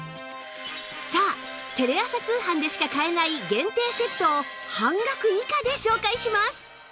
さあテレ朝通販でしか買えない限定セットを半額以下で紹介します！